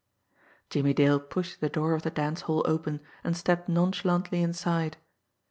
Jimmie Dale pushed the door of the dance hall open, and stepped nonchalantly inside.